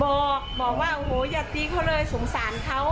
บอกบอกว่าอย่าตีเค้าเลยสงสารเค้า